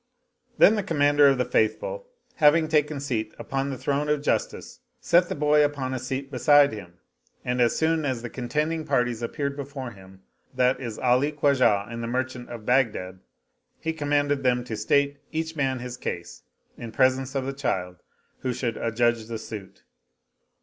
Then the Com mander of the Faithful, having taken seat upon the throne of justice, set the boy upon a seat beside him, and as soon as the contending parties appeared before him, that is Ali Khwajah and the merchant of Baghdad, he commanded them to state each man his case in presence of the child who should adjudge the suit.